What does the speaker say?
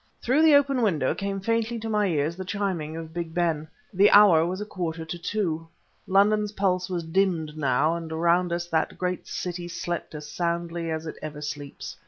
Through the open window came faintly to my ears the chiming of Big Ben. The hour was a quarter to two. London's pulse was dimmed now, and around about us that great city slept as soundly as it ever sleeps.